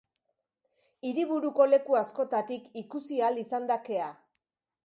Hiriburuko leku askotatik ikusi ahal izan da kea.